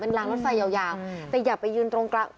รางรถไฟยาวแต่อย่าไปยืนตรงกลาง